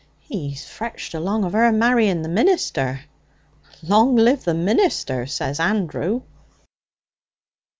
He's fretched along of her marrying the minister. "Long live the minister!" says Andrew.'